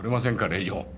令状。